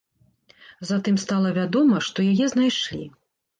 Затым стала вядома, што яе знайшлі.